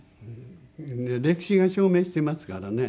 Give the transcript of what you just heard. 歴史が証明してますからね。